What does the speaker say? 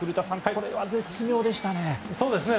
ここでは絶妙でしたね。